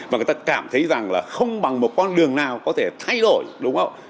và người ta cảm thấy rằng là không bằng một con đường nào có thể thay đổi đúng không